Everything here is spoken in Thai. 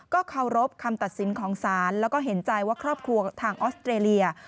เคารพคำตัดสินของศาลแล้วก็เห็นใจว่าครอบครัวทางออสเตรเลีย